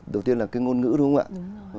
đầu tiên là cái ngôn ngữ đúng không ạ